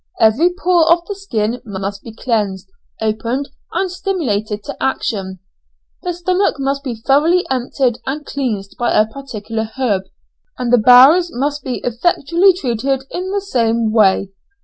Every pore of the skin must be cleansed, opened, and stimulated to action. The stomach must be thoroughly emptied and cleansed by a particular herb, and the bowels must be effectually treated in the same way.